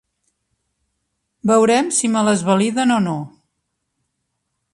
Veurem si me les validen o no.